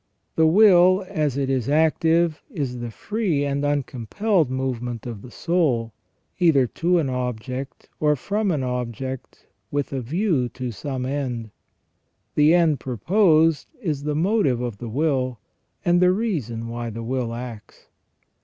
The will as it is active is the free and uncompelled movement of the soul, either to an object or from an object, with a view to some end. The end proposed is the motive of the will, and the reason why the will acts.